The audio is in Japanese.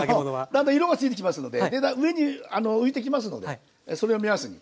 だんだん色がついてきますので上に浮いてきますのでそれを目安に。